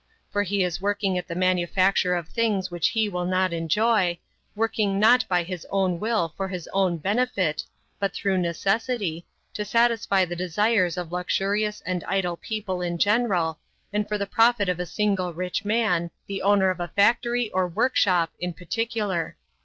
For he is working at the manufacture of things which he will not enjoy, working not by his own will for his own benefit, but through necessity, to satisfy the desires of luxurious and idle people in general, and for the profit of a single rich man, the owner of a factory or workshop in particular.